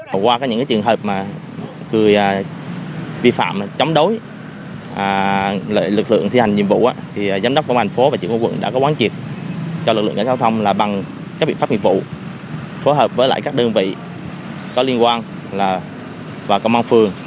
hồi qua có những trường hợp người vi phạm chống đối lực lượng thi hành nhiệm vụ giám đốc công an phố và trường hợp quận đã có quán triệt cho lực lượng giao thông bằng các biện pháp nhiệm vụ phối hợp với các đơn vị có liên quan và công an phường